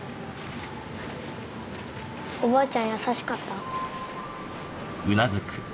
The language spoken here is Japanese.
おばあちゃん優しかった？